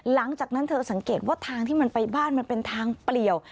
หลังจากนั้นเธอสังเกตว่าทางที่มันไปบ้านมันเป็นทางเปลี่ยว